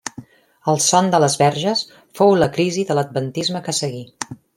El son de les verges fou la crisi de l'adventisme que seguí.